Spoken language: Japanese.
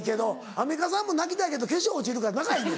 アンミカさんも泣きたいけど化粧落ちるから泣かへんねんで。